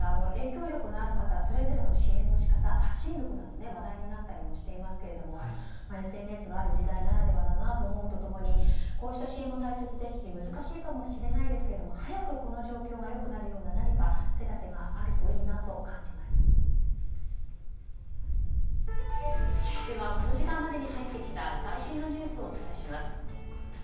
影響力のある方それぞれの支援の仕方発信力なども話題になったりしていますがＳＮＳがある時代ならではだなと思うと共にこうした支援も大切ですし難しいかもしれないですけど早くこの状況が良くなるような手立てがこの時間までに入ってきた最新のニュースをお伝えします。